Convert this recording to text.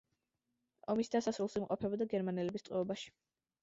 ომის დასასრულს იმყოფებოდა გერმანელების ტყვეობაში.